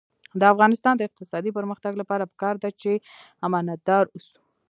د افغانستان د اقتصادي پرمختګ لپاره پکار ده چې امانتدار اوسو.